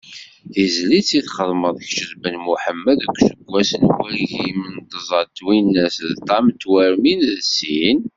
Tizlit i txedmem kečč d Ben Muḥemmed deg useggas n wagim d tẓa twinas d ṭam tmerwin d sin?